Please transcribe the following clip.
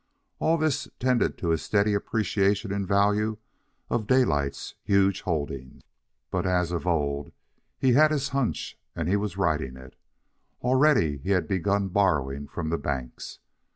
All this tended to a steady appreciation in value of Daylight's huge holdings. But, as of old, he had his hunch and was riding it. Already he had begun borrowing from the banks.